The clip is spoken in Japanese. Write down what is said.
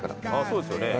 そうですよね。